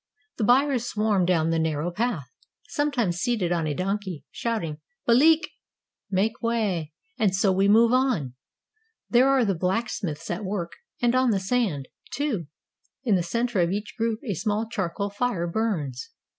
The buyers swarm down the narrow path, sometimes seated on a donkey, shouting "Balek" — make way. And so we move on. There are the blacksmiths at work, and on the sand, too; in the center of each group a small charcoal fire burns.